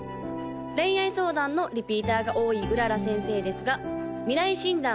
恋愛相談のリピーターが多い麗先生ですが未来診断